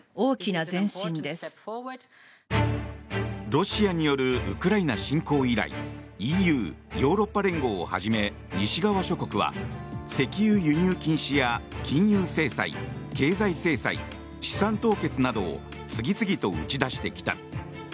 ロシアによるウクライナ侵攻以来ＥＵ・ヨーロッパ連合をはじめ西側諸国は石油輸入禁止や金融制裁、経済制裁資産凍結などを次々と打ち出してきた。